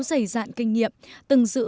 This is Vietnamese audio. dày dạn kinh nghiệm từng giữ